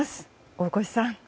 大越さん。